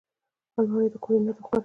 الماري د کور نظم ښکاروي